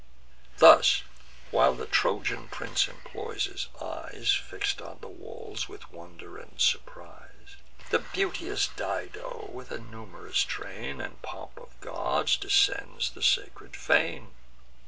Thus while the Trojan prince employs his eyes, Fix'd on the walls with wonder and surprise, The beauteous Dido, with a num'rous train And pomp of guards, ascends the sacred fane.